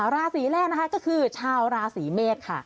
ราศีแรกนะคะก็คือชาวราศีเมษค่ะ